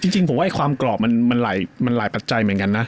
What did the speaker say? จริงผมว่าความกรอบมันหลายปัจจัยเหมือนกันนะ